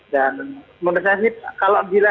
dan menurut saya ini